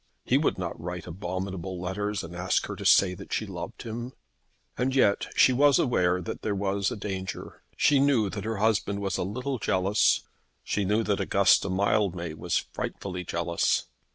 He would not write abominable letters and ask her to say that she loved him! And yet she was aware that there was a danger. She knew that her husband was a little jealous. She knew that Augusta Mildmay was frightfully jealous.